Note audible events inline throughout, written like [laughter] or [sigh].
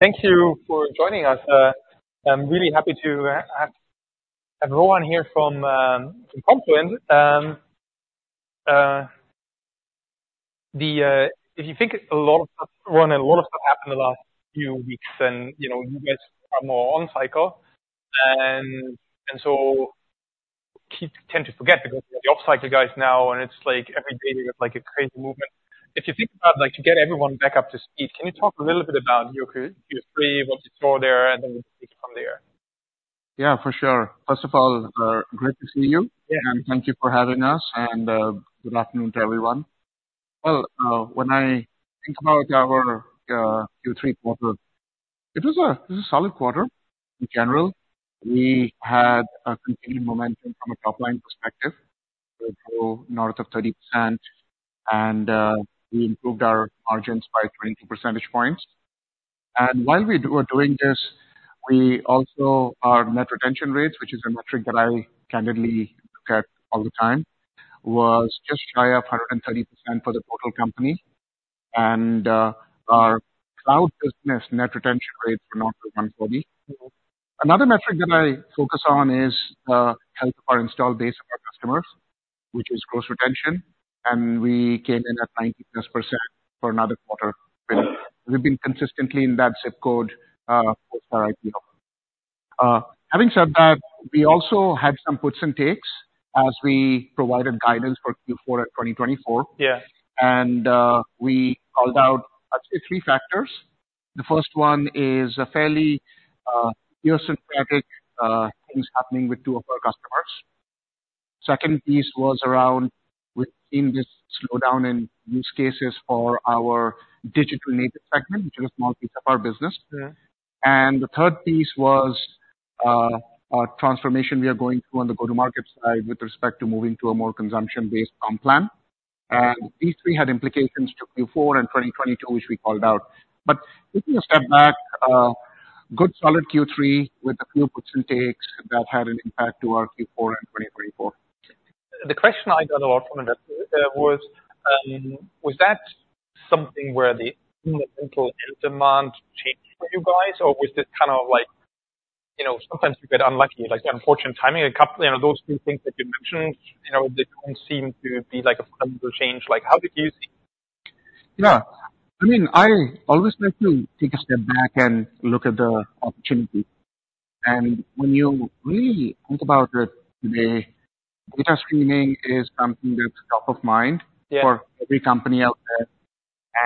Thank you for joining us. I'm really happy to have Rohan here from Confluent. If you think a lot of stuff, Rohan, a lot of stuff happened the last few weeks, and, you know, you guys are more on cycle and so tend to forget because you're the off-cycle guys now, and it's like every day there's, like, a crazy movement. If you think about, like, to get everyone back up to speed, can you talk a little bit about Q3, what you saw there, and then we'll take it from there? Yeah, for sure. First of all, great to see you. Yeah. Thank you for having us, and good afternoon to everyone. Well, when I think about our Q3 quarter, it was a solid quarter in general. We had continued momentum from a top-line perspective. We grew north of 30% and we improved our margins by 20 percentage points. And while we were doing this, we also have our net retention rates, which is a metric that I candidly look at all the time, was just shy of 130% for the total company. And our Cloud business net retention rates were north of 140%. Another metric that I focus on is health of our installed base of our customers, which is gross retention, and we came in at 90%+ for another quarter. We've been consistently in that ZIP code since our IPO. Having said that, we also had some puts and takes as we provided guidance for Q4 2024. Yeah. We called out three factors. The first one is fairly idiosyncratic, things happening with two of our customers. Second piece was around, we're seeing this slowdown in use cases for our Digital Native segment, which is a small piece of our business. Yeah. And the third piece was, our transformation we are going through on the go-to-market side with respect to moving to a more consumption-based comp plan. And these three had implications to Q4 and 2022, which we called out. But taking a step back, good solid Q3 with a few puts and takes that had an impact to our Q4 and 2024. The question I got a lot from investors was that something where the end demand changed for you guys? Or was this kind of like, you know, sometimes you get unlucky, like unfortunate timing. You know, those three things that you mentioned, you know, they don't seem to be like a fundamental change. Like, how did you see? Yeah. I mean, I always like to take a step back and look at the opportunity. When you really think about it today, data streaming is something that's top of mind- Yeah. For every company out there.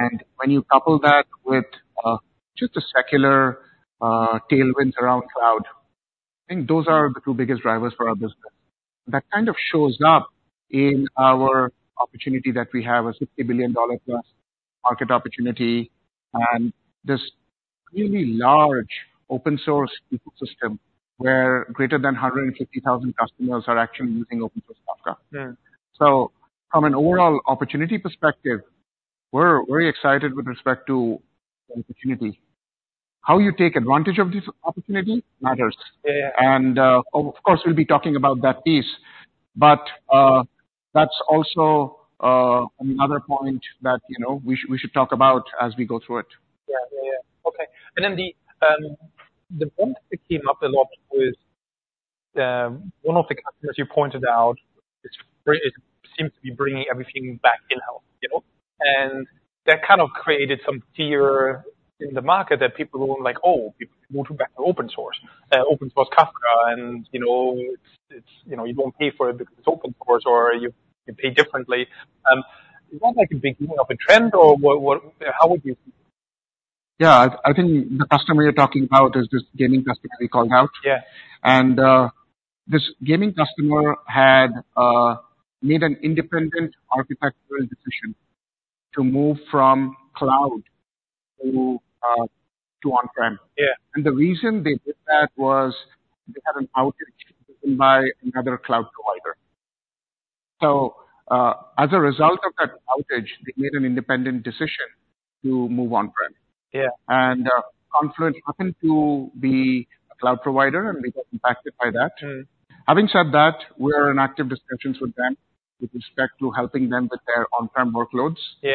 And when you couple that with just the secular tailwinds around cloud, I think those are the two biggest drivers for our business. That kind of shows up in our opportunity that we have, a $60+ billion market opportunity, and this really large open source ecosystem, where greater than 150,000 customers are actually using open source Apache Kafka. Hmm. So from an overall opportunity perspective, we're very excited with respect to the opportunity. How you take advantage of this opportunity matters. Yeah. Of course, we'll be talking about that piece, but that's also another point that, you know, we should talk about as we go through it. Yeah. Yeah, yeah. Okay. And then the point that came up a lot was one of the customers you pointed out. It seems to be bringing everything back in-house, you know, and that kind of created some fear in the market that people were like, "Oh, people will move back to open source, open source Apache Kafka," and, you know, it's, it's, you know, you don't pay for it because it's open source or you pay differently. Is that like a big beginning of a trend or what? What... How would you see? Yeah. I think the customer you're talking about is this gaming customer we called out. Yeah. This gaming customer had made an independent architectural decision to move from cloud to on-prem. Yeah. The reason they did that was they had an outage by another cloud provider. So, as a result of that outage, they made an independent decision to move on-prem. Yeah. Confluent happened to be a cloud provider, and they got impacted by that. Mm-hmm. Having said that, we're in active discussions with them with respect to helping them with their on-prem workloads. Yeah.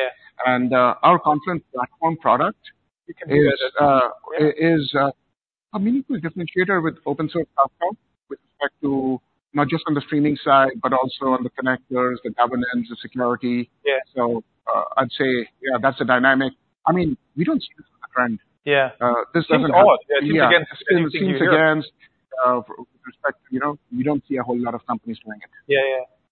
our Confluent Platform product- You can do that, yeah. is a meaningful differentiator with open source platform, with respect to not just on the streaming side, but also on the connectors, the governance, the security. Yeah. So, I'd say, yeah, that's the dynamic. I mean, we don't see this as a trend. Yeah. This doesn't- It seems odd. Yeah. It seems against- It seems against, with respect, you know, we don't see a whole lot of companies doing it. Yeah,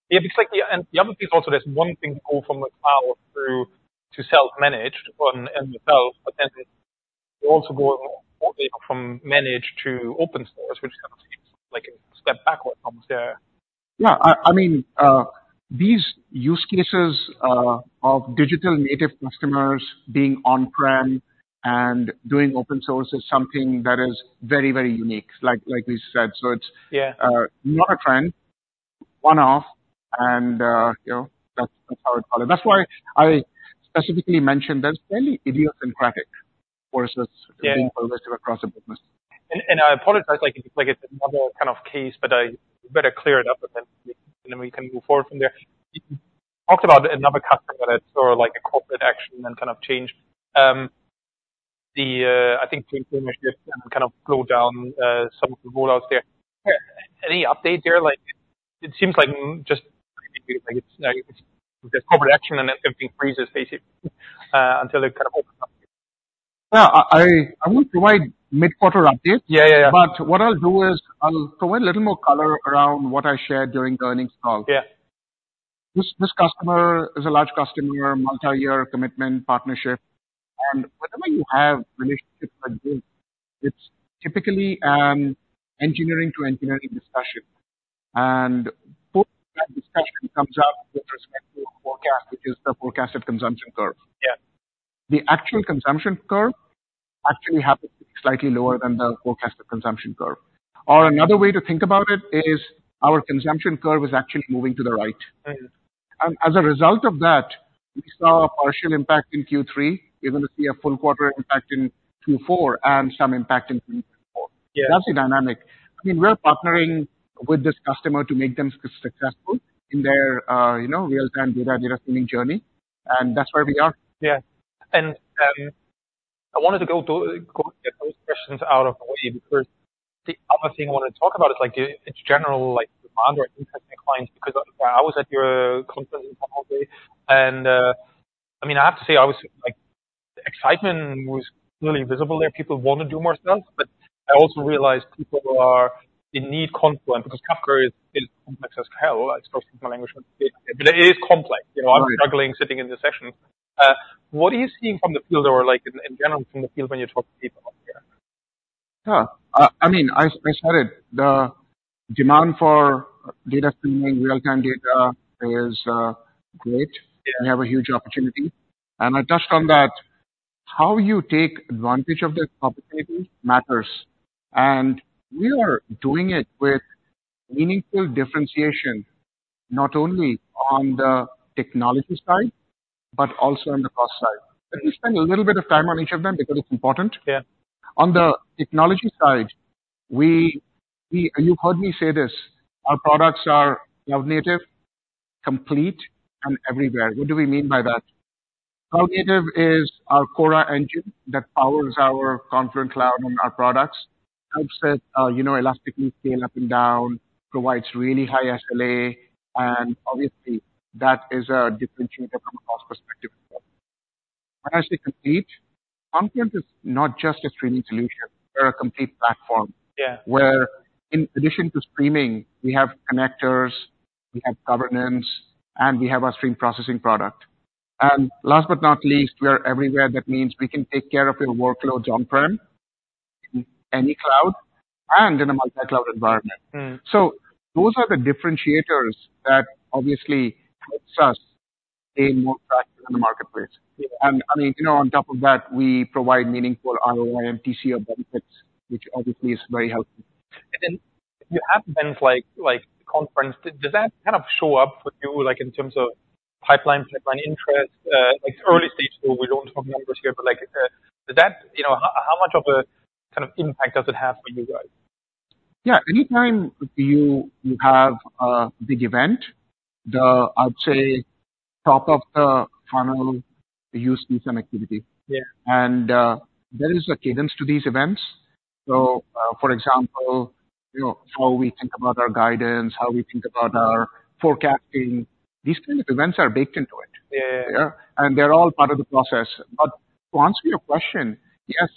yeah. It's like, and the other piece also, there's one thing to go from the cloud through to self-managed on themselves, but then you also go from managed to open source, which kind of seems like a step backward almost there. Yeah, I mean, these use cases of Digital Native customers being on-prem and doing open source is something that is very, very unique, like, like we said. So it's- Yeah. Not a trend, one-off, and, you know, that's, that's how I'd call it. That's why I specifically mentioned that's fairly idiosyncratic versus- Yeah. Being holistic across the business. I apologize, like, it's another kind of case, but I better clear it up, and then we can move forward from there. Talked about another customer that had sort of like a corporate action and kind of changed, the, I think the relationship and kind of go down some rollouts there. Any update there? Like, it seems like just like it's, there's corporate action and then everything freezes basically until it kind of opens up. Well, I won't provide mid-quarter update. Yeah, yeah, yeah. What I'll do is I'll provide a little more color around what I shared during the earnings call. Yeah. This, this customer is a large customer, multi-year commitment partnership, and whenever you have relationships like this, it's typically engineering-to-engineering discussion. Discussion comes up with respect to a forecast, which is the forecasted consumption curve. Yeah. The actual consumption curve actually happens to be slightly lower than the forecasted consumption curve. Or another way to think about it is our consumption curve is actually moving to the right. Right. As a result of that, we saw a partial impact in Q3. We're going to see a full quarter impact in Q4 and some impact in Q4. Yeah. That's the dynamic. I mean, we're partnering with this customer to make them successful in their, you know, real-time data, data streaming journey, and that's where we are. Yeah. And I wanted to go get those questions out of the way because the other thing I want to talk about is like, in general, like, demand or interest in the clients, because I was at your conference probably, and I mean, I have to say, I was like... excitement was really visible, that people want to do more stuff. But I also realized people are, they need Confluent because Apache Kafka is complex as hell, excuse my language, but it is complex. You know- Right. I'm struggling sitting in the session. What are you seeing from the field or like in general from the field when you talk to people out there? Yeah. I mean, I started the demand for data streaming, real-time data is great. Yeah. We have a huge opportunity, and I touched on that. How you take advantage of that opportunity matters, and we are doing it with meaningful differentiation, not only on the technology side, but also on the cost side. Let me spend a little bit of time on each of them because it's important. Yeah. On the technology side, we. You heard me say this, our products are cloud native, complete, and everywhere. What do we mean by that? Cloud native is our core engine that powers our Confluent Cloud and our products. Helps us, you know, elastically scale up and down, provides really high SLA, and obviously that is a differentiator from a cost perspective. Actually, complete, Confluent is not just a streaming solution. We're a complete platform. Yeah. Where, in addition to streaming, we have connectors, we have governance, and we have our stream processing product. Last but not least, we are everywhere. That means we can take care of your workloads on-prem, any cloud, and in a multi-cloud environment. Mm. Those are the differentiators that obviously helps us gain more traction in the marketplace. Yeah. I mean, you know, on top of that, we provide meaningful ROI and TCO benefits, which obviously is very helpful. And then you have events like, like conference. Does that kind of show up for you, like in terms of pipeline, pipeline interest? Like early stage, so we don't talk numbers here, but like, does that... You know, how, how much of a, kind of, impact does it have for you guys? Yeah. Anytime you have a big event, they'd say, top of the funnel, you see some activity. Yeah. There is a cadence to these events. For example, you know, how we think about our guidance, how we think about our forecasting, these kinds of events are baked into it. Yeah, yeah, yeah. They're all part of the process. But to answer your question, yes,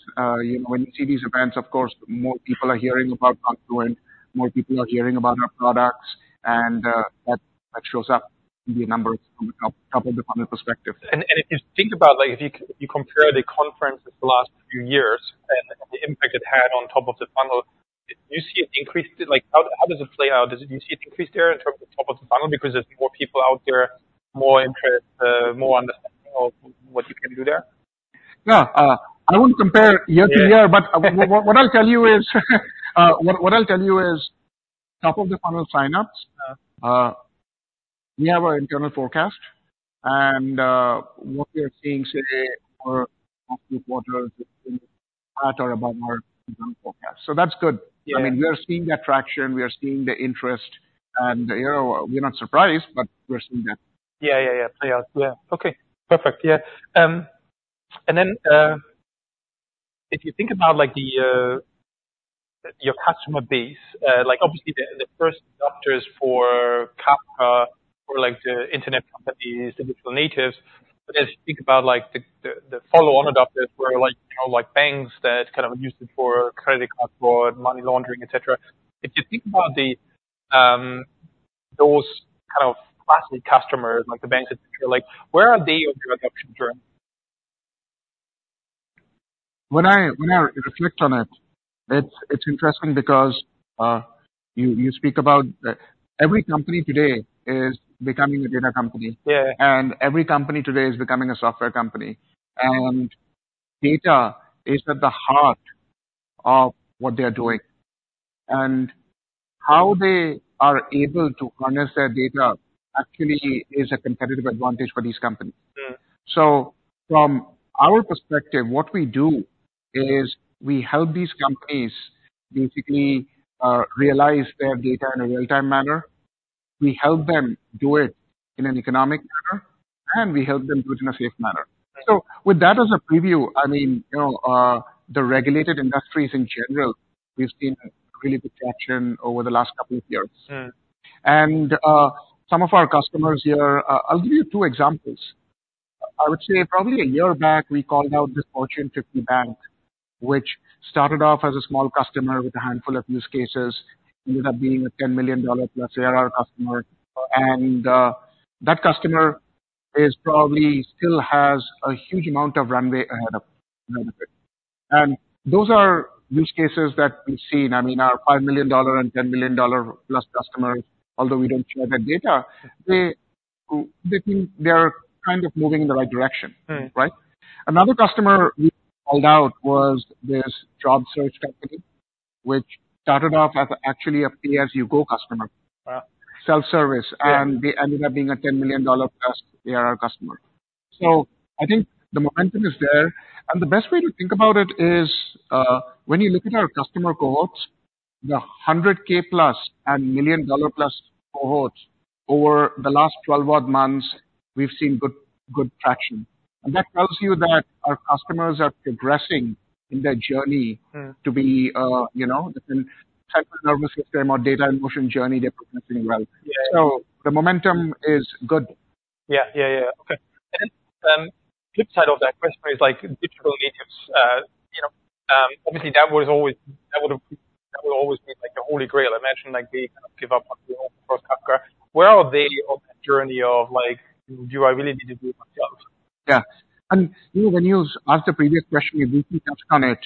you know, when you see these events, of course, more people are hearing about Confluent, more people are hearing about our products, and that shows up in the numbers from the top of the funnel perspective. If you think about, like if you compare the conference with the last few years and the impact it had on top of the funnel, do you see it increased? Like how, how does it play out? Do you see it increased there in terms of top of the funnel, because there's more people out there, more interest, more understanding of what you can do there? Yeah. I wouldn't compare year to year- Yeah. What I'll tell you is top of the funnel signups. We have our internal forecast and what we are seeing as of the quarter at or above our forecast. So that's good. Yeah. I mean, we are seeing the traction, we are seeing the interest, and, you know, we're not surprised, but we're seeing that. Play out. Yeah. Okay, perfect. Yeah. And then, if you think about, like, your customer base, like obviously the first adopters for Apache Kafka or like the internet companies, Digital Natives. But as you think about like, the follow-on adopters where like, you know, like banks that kind of use it for credit card fraud, money laundering, et cetera. If you think about those kind of classy customers, like the banks, like where are they on your adoption journey? When I reflect on it, it's interesting because you speak about the... Every company today is becoming a data company. Yeah. Every company today is becoming a software company, and data is at the heart of what they are doing. And how they are able to harness their data actually is a competitive advantage for these companies.... So from our perspective, what we do is we help these companies basically realize their data in a real-time manner. We help them do it in an economic manner, and we help them do it in a safe manner. So with that as a preview, I mean, you know, the regulated industries in general, we've seen a really good traction over the last couple of years. Mm. Some of our customers here, I'll give you two examples. I would say probably a year back, we called out this Fortune 50 bank, which started off as a small customer with a handful of use cases, ended up being a $10+ million ARR customer. And, that customer is probably still has a huge amount of runway ahead of them. And those are use cases that we've seen. I mean, our $5 million and $10+ million customers, although we don't share the data, they, they think they are kind of moving in the right direction. Mm. Right? Another customer we called out was this job search company, which started off as actually a Pay As You Go customer. Uh. Self-service, and they ended up being a $10+ million ARR customer. So I think the momentum is there, and the best way to think about it is, when you look at our customer cohorts, the $100,000+ and $1 million+ cohorts over the last 12 odd months, we've seen good, good traction. And that tells you that our customers are progressing in their journey- Mm. to be, you know, the central nervous system or data in motion journey they're progressing well. Yeah. The momentum is good. Flip side of that question is like Digital Native. You know, obviously, that was always, that would, that would always be like the holy grail. I imagine, like, they kind of give up on the whole Apache Kafka. Where are they on the journey of, like, do I really need to do it myself? Yeah. And, you know, when you asked the previous question, you briefly touched on it.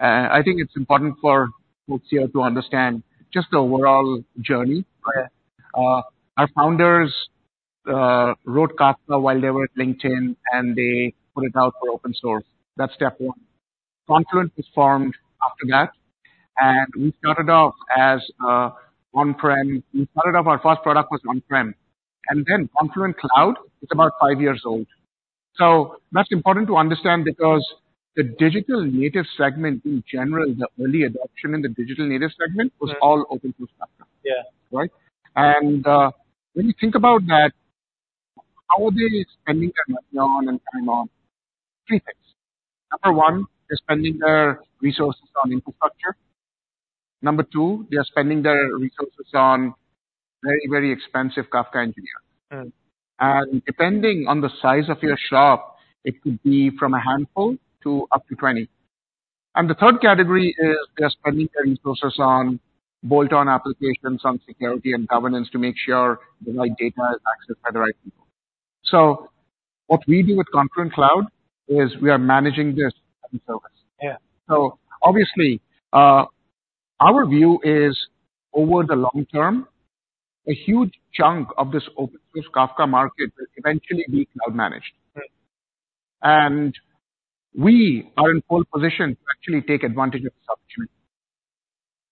I think it's important for folks here to understand just the overall journey. Right. Our founders wrote Apache Kafka while they were at LinkedIn, and they put it out for open source. That's step one. Confluent was formed after that, and we started off as a on-prem. We started off our first product was on-prem, and then Confluent Cloud is about five years old. So that's important to understand because the Digital Native segment in general, the early adoption in the Digital Native segment. Right. Was all open source. Yeah. Right? And, when you think about that, how are they spending their money on and time on? Three things: number one, they're spending their resources on infrastructure. Number two, they are spending their resources on very, very expensive Apache Kafka engineer. Mm. Depending on the size of your shop, it could be from a handful to up to 20. The third category is they're spending their resources on bolt-on applications, on security and governance to make sure the right data is accessed by the right people. So what we do with Confluent Cloud is we are managing this service. Yeah. Obviously, our view is, over the long term, a huge chunk of this open source Apache Kafka market will eventually be cloud managed. Right. We are in pole position to actually take advantage of this opportunity.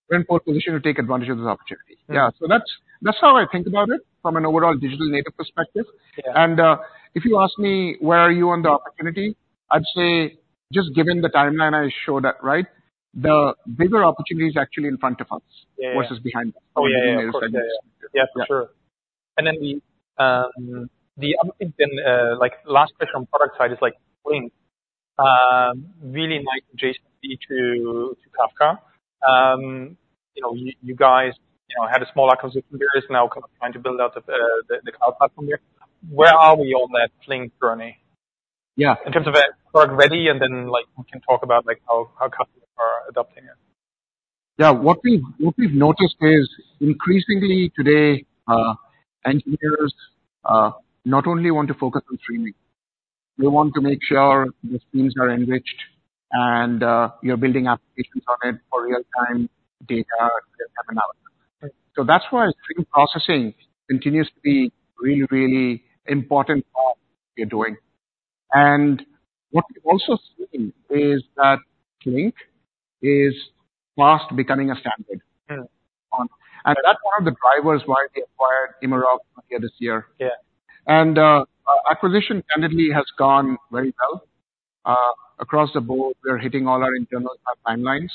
We're in pole position to take advantage of this opportunity. Mm. Yeah. So that's, that's how I think about it from an overall Digital Native perspective. Yeah. If you ask me, where are you on the opportunity? I'd say, just given the timeline, I show that, right, the bigger opportunity is actually in front of us. Yeah, yeah. Versus behind us. Oh, yeah. Of course. Yeah, yeah. For sure. Yeah. The last bit from product side is, like, Flink, really like adjacent to Apache Kafka. You know, you guys, you know, had a small acquisition that's now trying to build out the cloud platform there. Where are we on that Flink journey? Yeah. In terms of it product ready, and then, like, we can talk about, like, how customers are adopting it. Yeah. What we've noticed is increasingly today, engineers not only want to focus on streaming, they want to make sure the streams are enriched and you're building applications on it for real-time data and analysis. Right. That's why stream processing continues to be really, really important part we're doing. What we've also seen is that Flink is fast becoming a standard. Mm. That's one of the drivers why we acquired Immerok earlier this year. Yeah. Acquisition candidly has gone very well. Across the board, we're hitting all our internal timelines,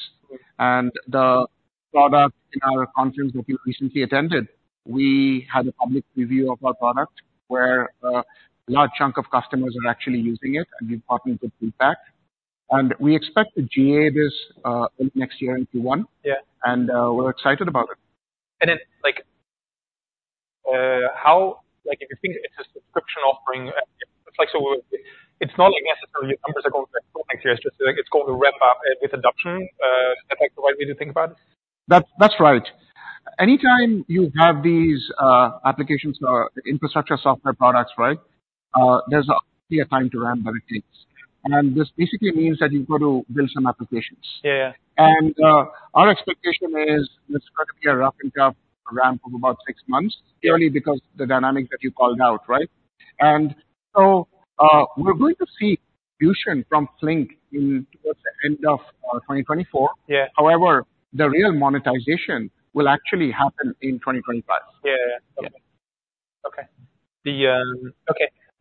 and the product, in our Immerok conference that you recently attended, we had a public preview of our product, where a large chunk of customers are actually using it, and we've partnered with Flink. And we expect to GA this next year in Q1. Yeah. We're excited about it. Like, if you think it's a subscription offering, it's like so it's not like necessarily numbers are going next year. It's just like it's going to ramp up with adoption. Is that, like, the right way to think about it? That's, that's right. Anytime you have these, applications or infrastructure software products, right, there's a clear time to ramp that it takes. And this basically means that you've got to build some applications. Yeah, yeah. Our expectation is it's going to be a rough and tough ramp of about six months, purely because the dynamics that you called out, right? So, we're going to see from Flink in towards the end of 2024. Yeah. However, the real monetization will actually happen in 2025.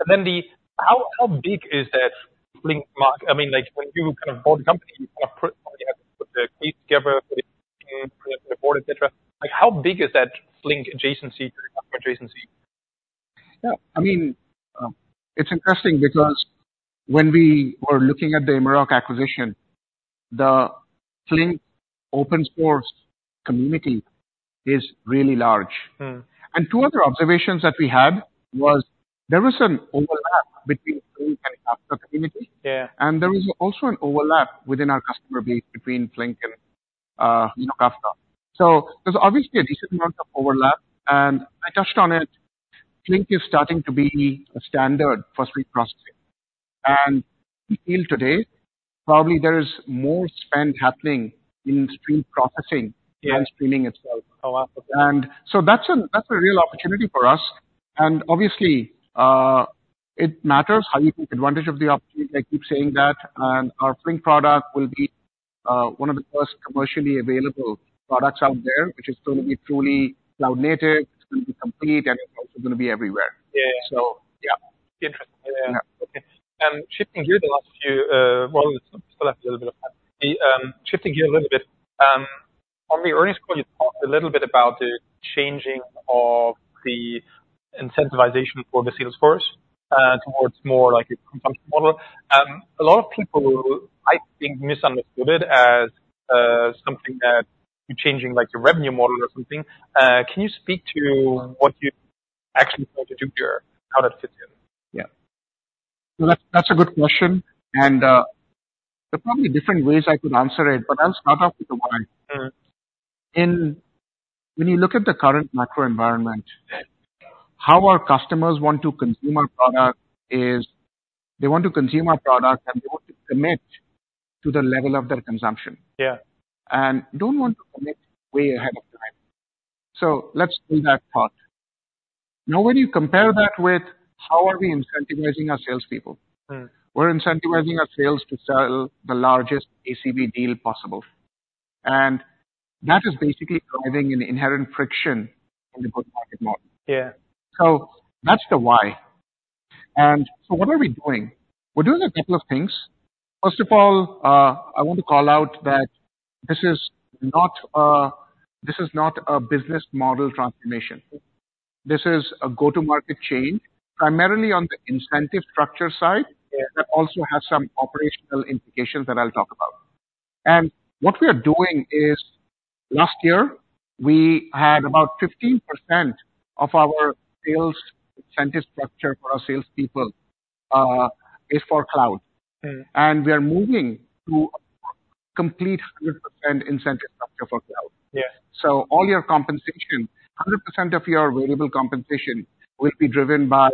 Then the—how big is that Flink market? I mean, like, when you kind of bought the company, you kind of put, you have to put the case together for the board, et cetera. Like, how big is that Flink adjacency? Yeah. I mean, it's interesting because when we were looking at the Immerok acquisition, the Flink open source community is really large. Mm. Two other observations that we had was there was an overlap between Flink and community. Yeah. There was also an overlap within our customer base between Flink and, you know, Apache Kafka. There's obviously a decent amount of overlap, and I touched on it. Flink is starting to be a standard for stream processing. Even today, probably there is more spend happening in stream processing. Yeah. Than streaming itself. Oh, wow! That's a real opportunity for us. And obviously, it matters how you take advantage of the opportunity. I keep saying that, and our Flink product will be one of the first commercially available products out there, which is going to be truly cloud native, it's going to be complete, and it's also gonna be everywhere. Yeah. So yeah. Interesting. Yeah. Shifting gears a little bit, on the earnings call, you talked a little bit about the changing of the incentivization for the sales force towards more like a consumption model. A lot of people, I think, misunderstood it as something that you're changing, like your revenue model or something. Can you speak to what you actually want to do here, how that fits in? Yeah. That's a good question, and there are probably different ways I could answer it, but I'll start off with the why. Mm. When you look at the current macro environment, how our customers want to consume our product is they want to consume our product, and they want to commit to the level of their consumption. Yeah. Don't want to commit way ahead of time. So let's do that part. Now, when you compare that with how are we incentivizing our salespeople- Mm. We're incentivizing our sales to sell the largest ACV deal possible, and that is basically driving an inherent friction in the go-to-market model. Yeah. That's the why. What are we doing? We're doing a couple of things. First of all, I want to call out that this is not a, this is not a business model transformation. This is a go-to-market change, primarily on the incentive structure side. Yeah. That also has some operational implications that I'll talk about. What we are doing is, last year we had about 15% of our sales incentive structure for our salespeople is for cloud. Mm. We are moving to a complete 100% incentive structure for cloud. Yeah. All your compensation, 100% of your variable compensation will be driven by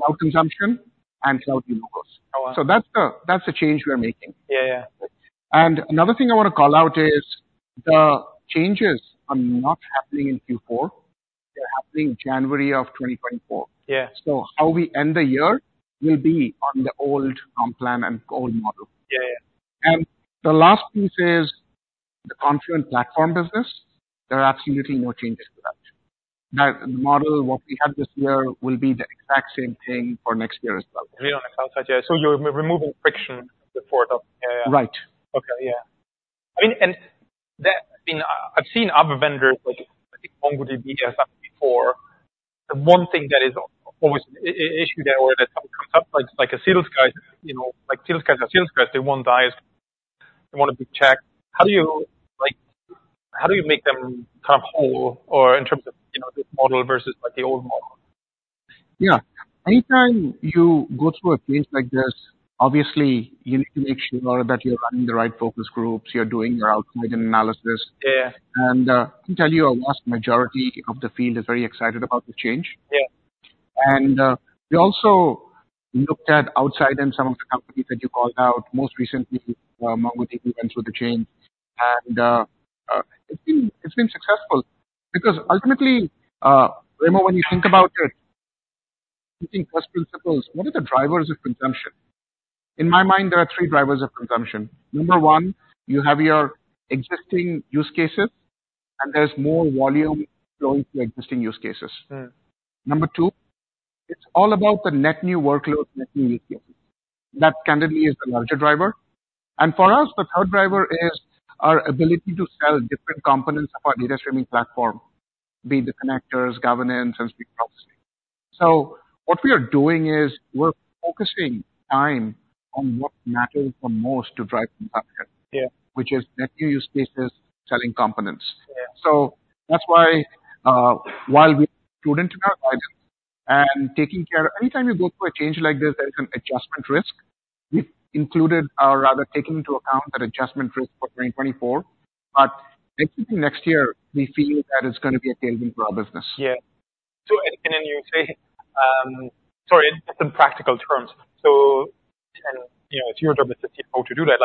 cloud consumption and cloud use. Oh, wow! That's the change we're making. Yeah, yeah. Another thing I want to call out is the changes are not happening in Q4. They're happening January of 2024. Yeah. How we end the year will be on the old comp plan and old model. Yeah, yeah. The last piece is the Confluent Platform business. There are absolutely no changes to that. That model, what we have this year, will be the exact same thing for next year as well. Yeah, on the cloud side. Yeah, so you're removing friction before the... [inaudible] Yeah, yeah. Right. Okay, yeah. I mean, and that, I mean, I've seen other vendors, like, I think MongoDB before. The one thing that is always issue there or that comes up, like a sales guy, you know, like sales guys are sales guys, they want the ACV, they want to be checked. How do you, like... How do you make them kind of whole or in terms of, you know, this model versus, like, the old model? Anytime you go through a change like this, obviously you need to make sure that you're running the right focus groups, you're doing your outcome analysis. Yeah. I can tell you, a vast majority of the field is very excited about the change. Yeah. We also looked at outside and some of the companies that you called out. Most recently, MongoDB went through the change, and it's been, it's been successful because ultimately, Raimo, when you think about it, you think first principles. What are the drivers of consumption? In my mind, there are three drivers of consumption. Number one, you have your existing use cases, and there's more volume going to existing use cases. Mm. Number two, it's all about the net new workloads, net new use cases. That, candidly, is the larger driver. And for us, the third driver is our ability to sell different components of our data streaming platform, be the connectors, governance, and stream processing. So what we are doing is we're focusing time on what matters the most to drive consumption- Yeah. -which is net new use cases, selling components. Yeah. That's why, while we include into our guidance and taking care, anytime you go through a change like this, there is an adjustment risk. We've included or rather, taken into account that adjustment risk for 2024, but next year, we feel that it's gonna be a tailwind for our business. Yeah. So and then you say, Sorry, in practical terms. So, and, you know, it's your term, how to do that.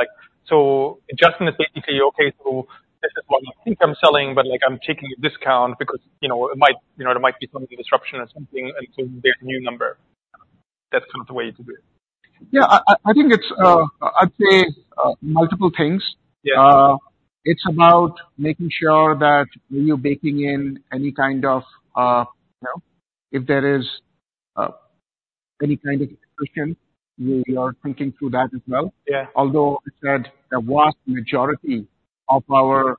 So adjustment is basically, okay, so this is what I think I'm selling, but, like, I'm taking a discount because, you know, it might, you know, there might be some disruption or something, and so there's a new number. That's kind of the way to do it. Yeah, I think it's, I'd say, multiple things. Yeah. It's about making sure that when you're baking in any kind of, you know, if there is any kind of question, we are thinking through that as well. Yeah. Although I said the vast majority of our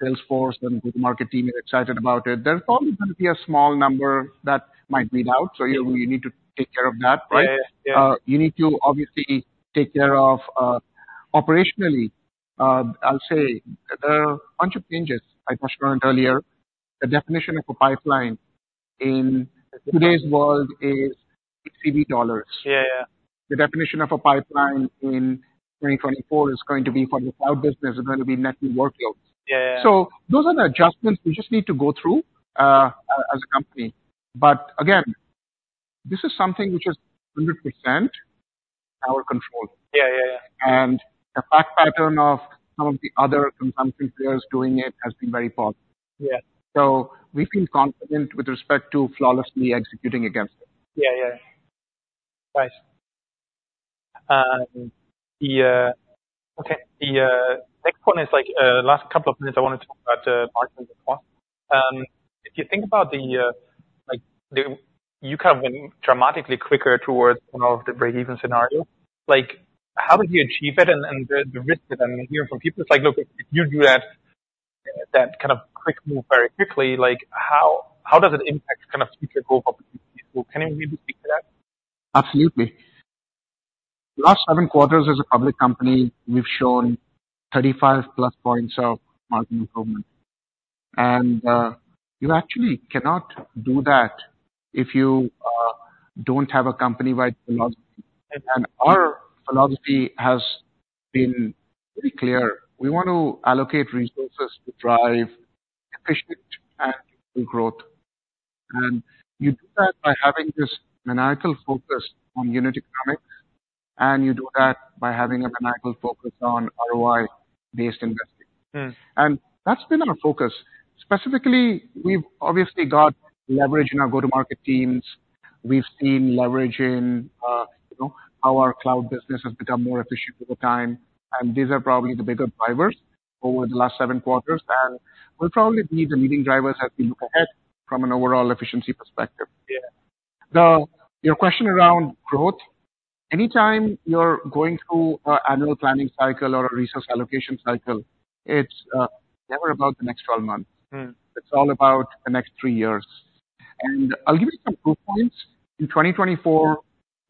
sales force and go-to-market team is excited about it, there's probably gonna be a small number that might bleed out, so we need to take care of that, right? Yeah. Yeah. You need to obviously take care of, operationally, I'll say there are a bunch of changes. I mentioned earlier, the definition of a pipeline in today's world is CV dollars. Yeah. The definition of a pipeline in 2024 is going to be for the cloud business, is going to be net new workloads. Yeah, yeah. So those are the adjustments we just need to go through, as a company. But again, this is something which is 100% our control. Yeah, yeah, yeah. The fact pattern of some of the other incumbent players doing it has been very positive. Yeah. We feel confident with respect to flawlessly executing against it. The next one is like, last couple of minutes, I wanted to talk about margin. If you think about the, like, you kind of went dramatically quicker towards one of the breakeven scenario. Like, how did you achieve it and the risk of them hearing from people? It's like, look, if you do that, that kind of quick move very quickly, like how does it impact kind of future growth opportunities? So can you maybe speak to that? Absolutely. The last seven quarters as a public company, we've shown 35+ points of margin improvement. And, you actually cannot do that if you don't have a company-wide philosophy. And our philosophy has been pretty clear. We want to allocate resources to drive efficient and growth, and you do that by having this maniacal focus on unit economics, and you do that by having a maniacal focus on ROI-based investing. Mm. That's been our focus. Specifically, we've obviously got leverage in our go-to-market teams. We've seen leverage in, you know, how our cloud business has become more efficient over time, and these are probably the bigger drivers over the last seven quarters, and will probably be the leading drivers as we look ahead from an overall efficiency perspective. Yeah. To your question around growth, anytime you're going through an annual planning cycle or a resource allocation cycle, it's never about the next 12 months. Mm. It's all about the next three years. I'll give you some proof points. In 2024,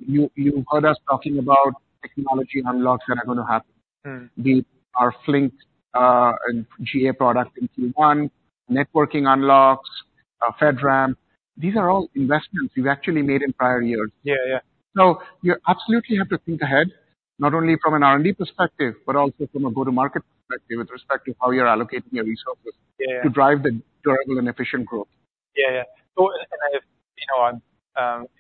you, you heard us talking about technology unlocks that are gonna happen. Mm. Our Flink and GA product in Q1, networking unlocks, FedRAMP. These are all investments we've actually made in prior years. Yeah. Yeah. You absolutely have to think ahead, not only from an R&D perspective, but also from a go-to-market perspective with respect to how you're allocating your resources. Yeah. To drive the durable and efficient growth. If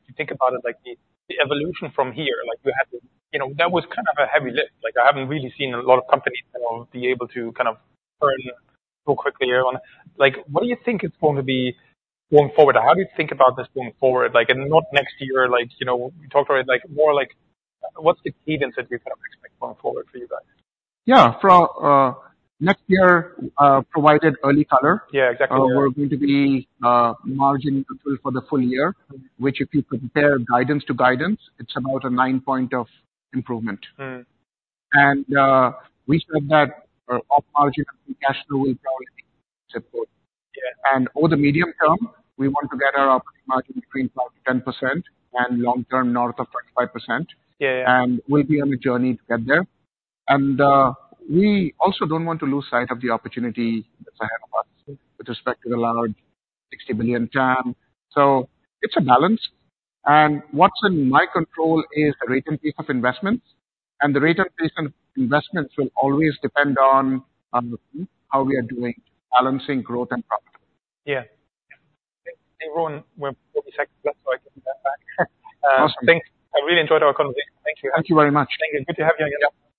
you think about it, like the, the evolution from here, like we had to, you know, that was kind of a heavy lift. Like, I haven't really seen a lot of companies be able to kind of turn so quickly on. Like, what do you think it's going to be going forward, or how do you think about this going forward? Like, and not next year, like, you know, we talked about it like more like what's the key things that we kind of expect going forward for you guys? Yeah. For next year, provided early color. Yeah, exactly. We're going to be margin neutral for the full year, which if you compare guidance to guidance, it's about a nine-point improvement. Mm. We said that our op margin and cash flow will probably support. Yeah. Over the medium term, we want to get our op margin between 5%-10% and long term, north of 25%. Yeah, yeah. We'll be on a journey to get there. We also don't want to lose sight of the opportunity that's ahead of us with respect to the large $60 billion TAM. So it's a balance, and what's in my control is the rate and pace of investments, and the rate and pace of investments will always depend on how we are doing, balancing growth and profitability. Yeah. Hey, Ron, we're 40-second, so I give you that back. Awesome. Thanks. I really enjoyed our conversation. Thank you. Thank you very much. Thank you. Good to have you on again. Thank you.